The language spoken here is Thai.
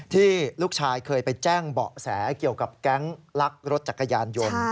ที่ลูกชายเคยไปแจ้งเบาะแสเกี่ยวกับแก๊งลักรถจักรยานยนต์